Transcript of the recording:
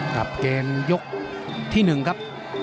กลับเกณฑ์ยกที่หนึ่งครับ